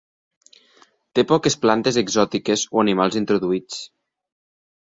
Té poques plantes exòtiques o animals introduïts.